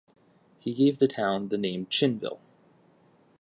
He gave the town the name "Chinnville".